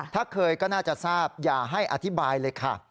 ถ้าเคยก็น่าจะทราบอย่าให้อธิบายเลยค่ะ